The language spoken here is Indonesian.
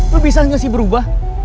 lo bisa gak sih berubah